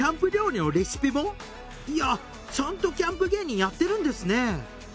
いやちゃんとキャンプ芸人やってるんですね